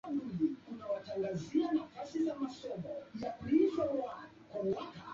habari wakifungwa na wengine kuuwawa hapa na pale duniani